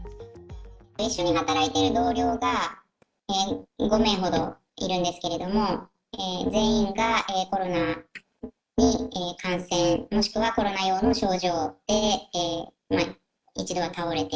一緒に働いている同僚が５名ほどいるんですけれども、全員がコロナに感染もしくはコロナ様の症状で一度は倒れて。